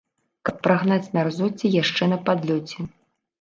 Каб прагнаць мярзоцце яшчэ на падлёце.